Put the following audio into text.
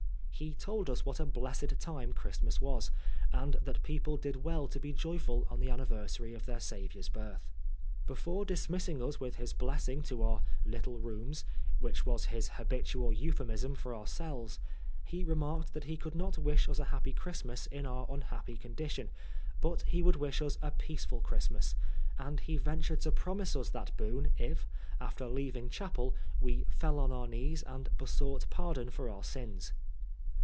He told us what a blessed time Christmas was, and that people did well to be joyful on the anniversary of their A LONG NI0HT. 175 Savior's birth. Before dismissing ns with his blessing to onr " little rooms," which was his habitual euphe mism for our cells, he remarked that he could not wish us a happy Christmas in our unhappy condition, but he would wish us a peaceful Christmas ; and he ventured to promise us that boon if, after leaving chapel, we fell on our knees and besought pardon for our sins.